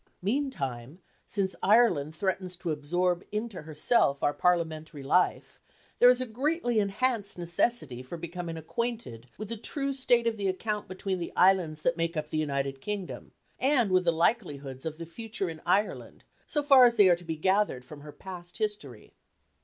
Meantime, since Ireland threatens to absorb into herself our Parliamentary life, there is a greatly enhanced necessity for becoming acquainted with the true state of the account between the islands that make up the United Kingdom, and with the likelihoods of the future in Ireland, so far as they are to be gathered from her past history.